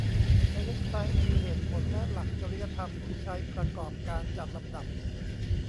ในเว็บไซต์มีเหตุผลและหลักจริยธรรมที่ใช้ประกอบการจัดลำดับ